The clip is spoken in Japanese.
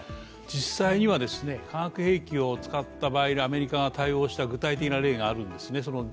実際には化学兵器を使った場合にアメリカが対応した具体的な例があるんですね